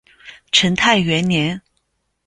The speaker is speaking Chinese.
成泰元年。